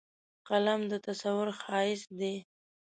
فلم د تصور ښایست دی